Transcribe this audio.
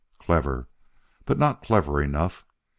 Clever! But not clever enough.